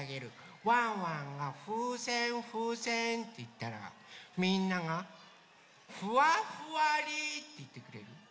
ワンワンが「ふうせんふうせん」っていったらみんなが「ふわふわり」っていってくれる？